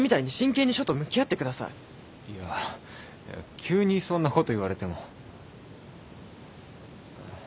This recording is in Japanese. いや急にそんなこと言われても。